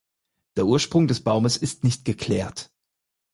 Der Ursprung des Baumes ist nicht geklärt.